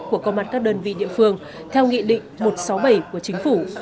của công an các đơn vị địa phương theo nghị định một trăm sáu mươi bảy của chính phủ